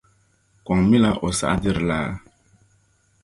Kɔŋ mi la o saɣadiri laa.